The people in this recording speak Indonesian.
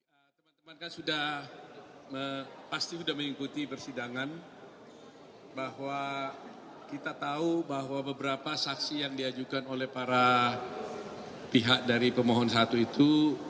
ya teman teman kan sudah pasti sudah mengikuti persidangan bahwa kita tahu bahwa beberapa saksi yang diajukan oleh para pihak dari pemohon satu itu